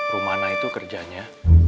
rumana itu kerjanya